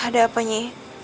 ada apa nyi